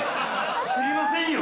知りませんよ？